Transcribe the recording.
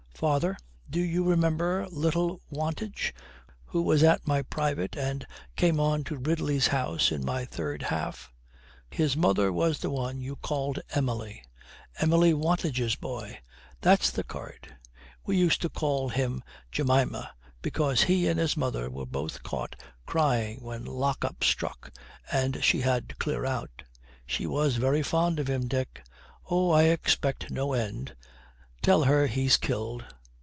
'Father, do you remember little Wantage who was at my private and came on to Ridley's house in my third half? His mother was the one you called Emily.' 'Emily Wantage's boy.' 'That's the card. We used to call him Jemima, because he and his mother were both caught crying when lock up struck, and she had to clear out.' 'She was very fond of him, Dick.' 'Oh, I expect no end. Tell her he's killed.'